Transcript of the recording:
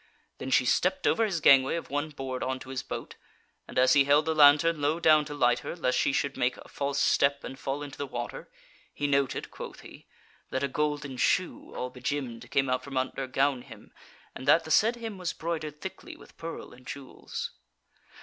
Then she stepped over his gangway of one board on to his boat, and as he held the lantern low down to light her, lest she should make a false step and fall into the water, he noted (quoth he) that a golden shoe all begemmed came out from under gown hem and that the said hem was broidered thickly with pearl and jewels.